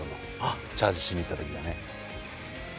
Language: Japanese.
チャージしに行った時が。